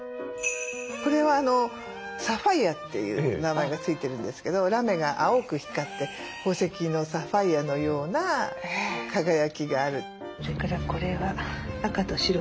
これはサファイアという名前が付いてるんですけどラメが青く光って宝石のサファイアのような輝きがある。